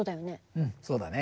うんそうだね。